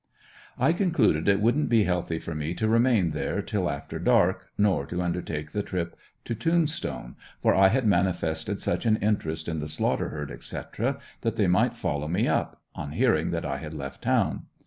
I concluded it wouldn't be healthy for me to remain there till after dark, nor to undertake the trip to Tombstone, for I had manifested such an interest in the Slaughter herd, etc., that they might follow me up, on hearing that I had left town.